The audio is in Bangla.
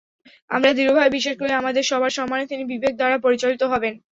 আমরা দৃঢ়ভাবে বিশ্বাস করি, আমাদের সবার সম্মানে তিনি বিবেক দ্বারা পরিচালিত হবেন।